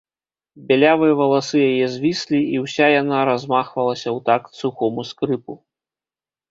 Бялявыя валасы яе звіслі, і ўся яна размахвалася ў такт сухому скрыпу.